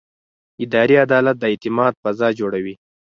اداري عدالت د اعتماد فضا جوړوي.